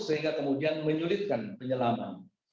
sehingga kemudian menyulitkan penyelaman